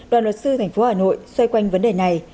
đoàn luật sư tp hà nội xoay quanh vấn đề này